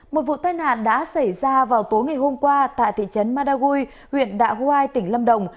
một vụ tai nạn đã xảy ra vào tối ngày hôm qua tại thị trấn madagui huyện đạ hoai tỉnh lâm đồng